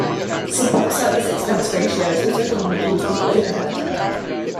The support service expense ratio is also commonly called the "overhead".